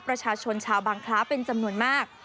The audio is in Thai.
ประชาชนชาวบางคล้าเป็นจำนวนมาก